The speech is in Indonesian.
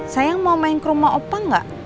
sayang mau main ke rumah opa gak